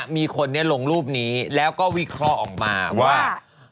มีคนนี้ลงรูปนี้แล้วก็วิเคราะห์ออกมาว่า